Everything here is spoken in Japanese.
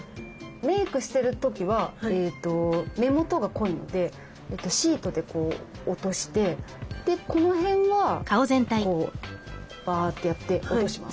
メークをしてる時は目元が濃いのでシートで落としてこの辺はこうばっとやって落とします。